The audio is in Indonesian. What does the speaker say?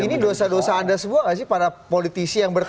ini dosa dosa anda semua gak sih para politisi yang bertemu